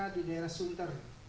di daerah sunter